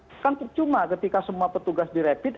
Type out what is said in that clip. bukan percuma ketika semua petugas direpit